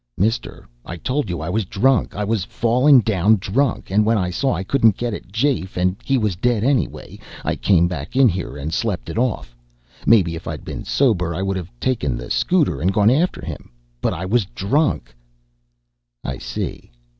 "Mister, I told you. I was drunk. I was falling down drunk, and when I saw I couldn't get at Jafe, and he was dead anyway, I came back in here and slept it off. Maybe if I'd been sober I would have taken the scooter and gone after him, but I was drunk." "I see."